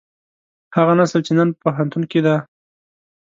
هغه نسل چې نن په پوهنتون کې دی.